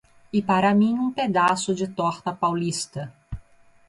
E para mim um pedaço de torta paulista.